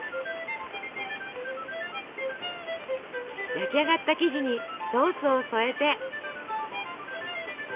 焼き上がった生地にソースを添えて。